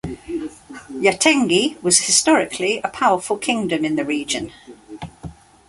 Yatenge was historically a powerful kingdom in the region.